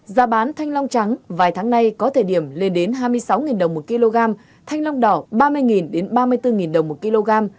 giá bán thanh long trắng vài tháng nay có thời điểm lên đến hai mươi sáu đồng một kg thanh long đỏ ba mươi ba mươi bốn đồng một kg